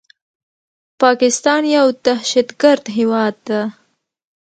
پاکستان يو دهشتګرد هيواد ده